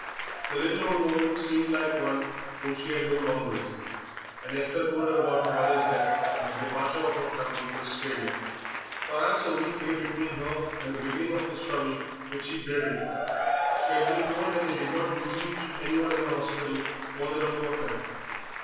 The little old woman seemed like one whom she had known always, and Esther told her about her mother's death and the departure of her family for Australia. Perhaps a week lay between her and the beginning of the struggle which she dreaded. She had been told that they did not usually keep anyone in the hospital more than a fortnight.